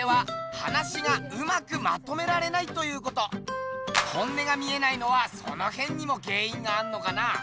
でも本音が見えないのはそのへんにも原因があんのかな。